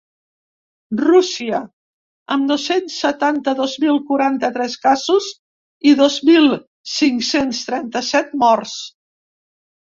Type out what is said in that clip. Rússia, amb dos-cents setanta-dos mil quaranta-tres casos i dos mil cinc-cents trenta-set morts.